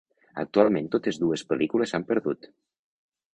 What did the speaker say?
Actualment totes dues pel·lícules s'han perdut.